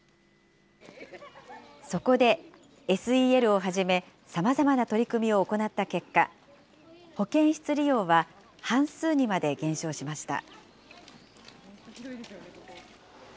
そこで、ＳＥＬをはじめ、さまざまな取り組みを行った結果、保健室利用は半数にまで減少しました。